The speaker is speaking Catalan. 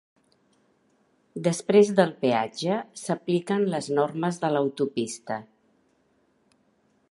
Després del peatge s'apliquen les normes de l'autopista.